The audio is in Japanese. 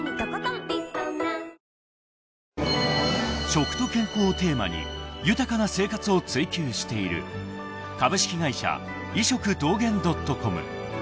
［食と健康をテーマに豊かな生活を追求している株式会社医食同源ドットコム］